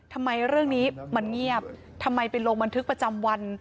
ทำไมเรื่องนี้มันเงียบทำไมไปลงบันทึกประจำวัน